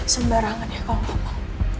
semberangnya kalau mau